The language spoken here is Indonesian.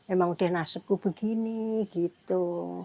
emang udah nasibku begini gitu